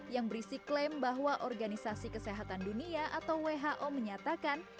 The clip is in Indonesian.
yang berisi klaim bahwa organisasi kesehatan dunia atau who menyatakan